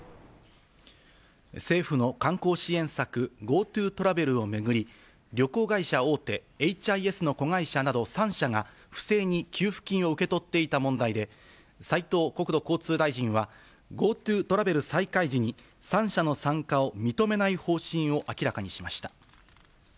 政府の観光支援策、ＧｏＴｏトラベルを巡り、旅行会社大手、エイチ・アイ・エスの子会社など３社が、不正に給付金を受け取っていた問題で、斉藤国土交通大臣は、ＧｏＴｏトラベル再開時に３社の参加を認めない方針を明らかにしました。